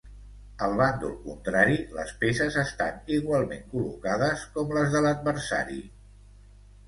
Al bàndol contrari, les peces estan igualment col·locades com les de l'adversari.